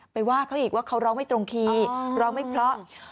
ว่าเขาอีกว่าเขาร้องไม่ตรงทีร้องไม่เพราะ